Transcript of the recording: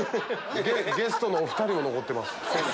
ゲストのお２人も残ってます。